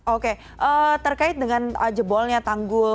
oke terkait dengan jebolnya tanggul